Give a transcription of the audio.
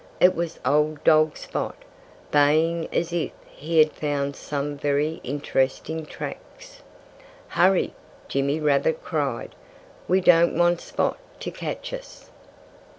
It was old dog Spot, baying as if he had found some very interesting tracks. "Hurry!" Jimmy Rabbit cried. "We don't want Spot to catch us!"